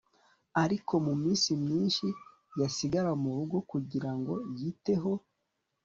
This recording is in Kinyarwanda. ariko muminsi myinshi, yasigara murugo kugirango yiteho